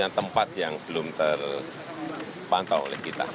apakah ada impower penyelamat